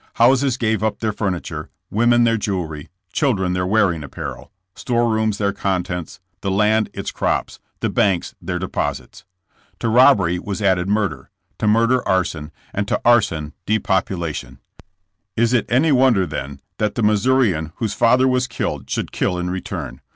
Houses gave up their furniture; women their jewelry; children their wearing apparel; storerooms their contents; the land its crops; the banks their deposits. To robbery was added murder, to murder arson, and to arson de H JESSS JAMKS. population. Is it any wonder, then, that the Mis sourian whose father was killed should kill in return